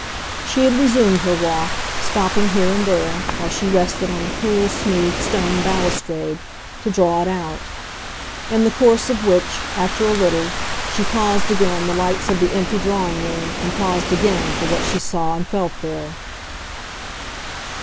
She had resumed her walk stopping here and there, while she rested on the cool smooth stone balustrade, to draw it out; in the course of which, after a little, she passed again the lights of the empty drawing room and paused again for what she saw and felt there.